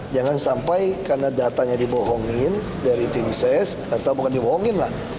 jangan sampai karena datanya dibohongin dari tim ses atau bukan dibohongin lah